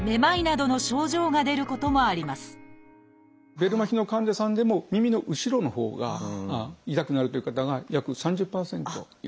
ベル麻痺の患者さんでも耳の後ろのほうが痛くなるという方が約３０％いらっしゃいます。